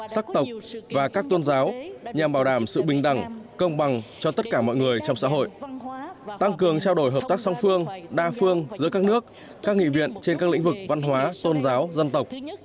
sắc tộc và các tôn giáo nhằm bảo đảm sự bình đẳng công bằng cho tất cả mọi người trong xã hội tăng cường trao đổi hợp tác song phương đa phương giữa các nước các nghị viện trên các lĩnh vực văn hóa tôn giáo dân tộc